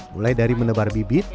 mulai dari menebar bibit